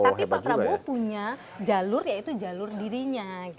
tapi pak prabowo punya jalur yaitu jalur dirinya